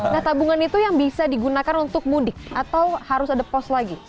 nah tabungan itu yang bisa digunakan untuk mudik atau harus ada pos lagi